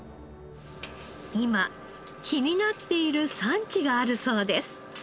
今気になっている産地があるそうです。